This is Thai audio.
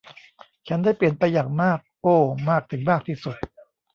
ฉันได้เปลี่ยนไปอย่างมาก โอ้ มากถึงมากที่สุด